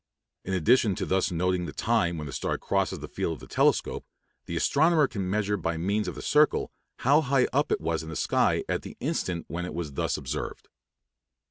In addition to thus noting the time when the star crosses the field of the telescope, the astronomer can measure by means of the circle, how high up it was in the sky at the instant when it was thus observed.